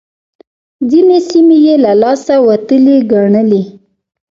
ځينې سيمې يې له لاسه وتلې ګڼلې.